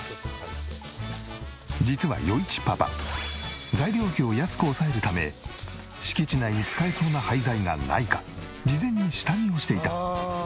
実は余一パパ材料費を安く抑えるため敷地内に使えそうな廃材がないか事前に下見をしていた。